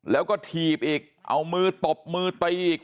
แล้วก็ถีบอีกเอามือตบมือตีอีก